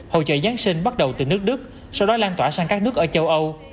hội trợ giáng sinh bắt đầu từ nước đức sau đó lan tỏa sang các nước ở châu âu